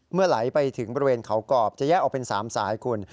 ไหลไปถึงบริเวณเขากรอบจะแยกออกเป็น๓สายคุณ